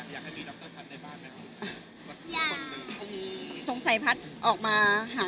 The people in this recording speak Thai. อยากให้มีดรพัดในบ้านมั้ยครับ